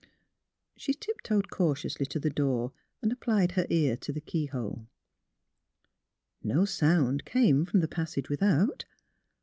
She tiptoed cautiously to the door and applied her ear to the keyhole. No sound came from the passage without.